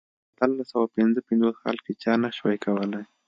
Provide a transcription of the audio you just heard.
په اتلس سوه پنځه پنځوس کال کې چا نه شوای کولای.